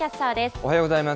おはようございます。